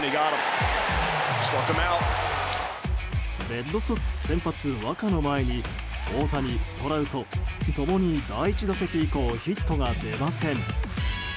レッドソックス先発ワカの前に大谷、トラウト共に第１打席以降ヒットが出ません。